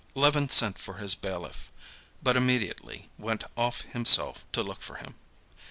Levin sent for his bailiff, but immediately went off himself to look for him.